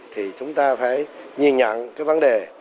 thì chúng ta phải nhìn nhận vấn đề